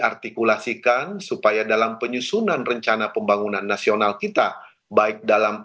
artikulasikan supaya dalam penyusunan rencana pembangunan nasional kita baik dalam